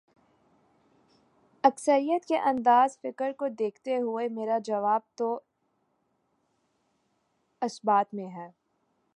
اکثریت کے انداز فکر کو دیکھتے ہوئے، میرا جواب تو اثبات میں ہے۔